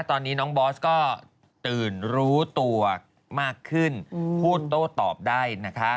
ตอนนี้น้องบอสก็ตื่นรู้ตัวมากขึ้นพูดโต้ตอบได้นะคะ